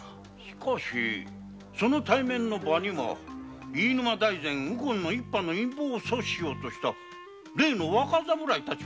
しかしその対面の場には飯沼大膳右近一派の陰謀を阻止しようとした例の若侍たちもいたのだ。